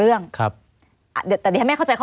หรือว่าแม่ของสมเกียรติศรีจันทร์